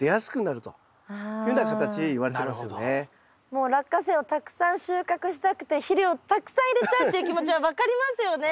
もうラッカセイをたくさん収穫したくて肥料たくさん入れちゃうっていう気持ちは分かりますよね。